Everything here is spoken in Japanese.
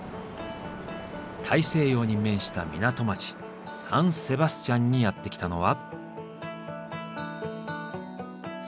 大西洋に面した港町サン・セバスチャンにやって来たのは。